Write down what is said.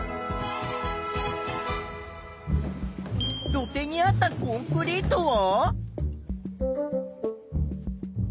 土手にあったコンクリートは？